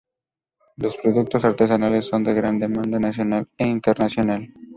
Los productos artesanales son de gran demanda nacional e internacional.